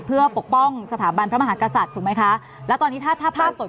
เพื่อปกป้องสถาบันพระมหากษัตริย์ถูกไหมคะแล้วตอนนี้ถ้าถ้าภาพสด